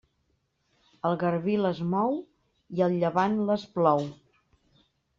El garbí les mou i el llevant les plou.